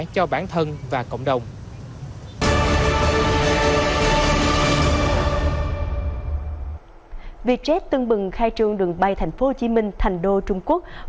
cho bản thân và cộng đồng